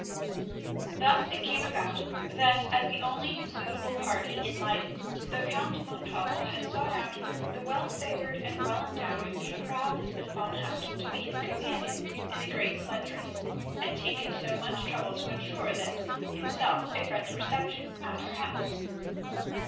Thus it came about that, as the only suitable partie in Leyden, the Count Montalvo had sought out the well favoured and well endowed Jufvrouw Lysbeth van Hout to be his companion in the great sledge race, and taken so much trouble to ensure to himself a friendly reception at her house.